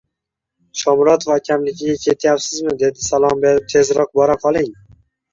Shomurod akamnikiga ketyapsizmi? - dedi salom berib. - Tezroq bora qoling.